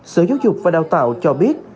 sở giáo dục và đào tạo cho biết